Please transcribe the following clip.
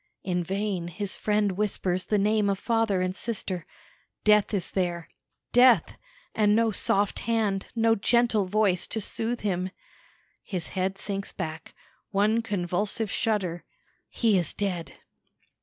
In vain his friend whispers the name of father and sister death is there. Death and no soft hand, no gentle voice to soothe him. His head sinks back; one convulsive shudder he is dead!"